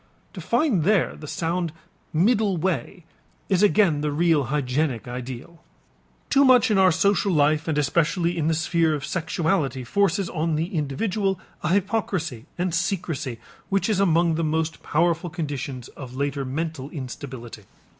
To find there the sound middle way is again the real hygienic ideal. Too much in our social life and especially in the sphere of sexuality forces on the individual a hypocrisy and secrecy which is among the most powerful conditions of later mental instability.